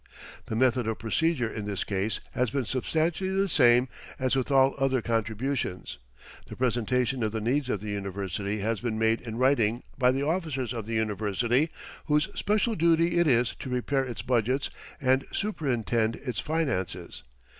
The method of procedure in this case has been substantially the same as with all other contributions. The presentation of the needs of the university has been made in writing by the officers of the university, whose special duty it is to prepare its budgets and superintend its finances.